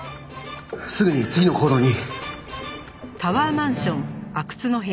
すぐに次の行動に。